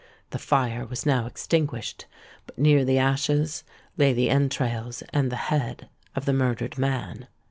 The fire was now extinguished; but near the ashes lay the entrails and the head of the murdered man.